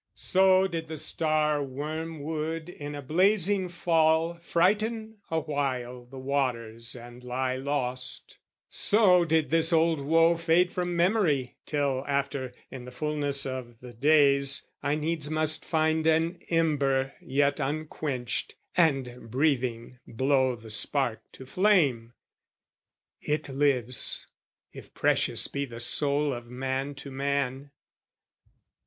So Did the Star Wormwood in a blazing fall Frighten awhile the waters and lie lost: So did this old woe fade from memory, Till after, in the fulness of the days, I needs must find an ember yet unquenched, And, breathing, blow the spark to flame. It lives, If precious be the soul of man to man.